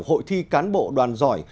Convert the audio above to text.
hội thi cán bộ đoàn giỏi